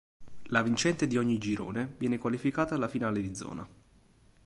La vincente di ogni girone viene qualificata alla finale di zona.